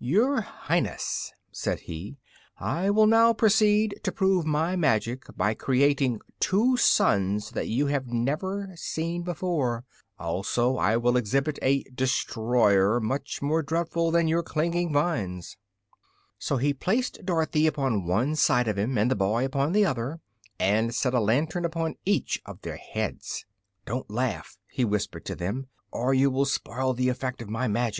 "Your Highness," said he, "I will now proceed to prove my magic by creating two suns that you have never seen before; also I will exhibit a Destroyer much more dreadful than your Clinging Vines." So he placed Dorothy upon one side of him and the boy upon the other and set a lantern upon each of their heads. "Don't laugh," he whispered to them, "or you will spoil the effect of my magic."